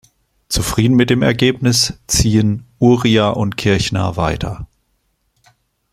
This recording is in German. Zufrieden mit dem Ergebnis, ziehen Uriah und Kirchner weiter.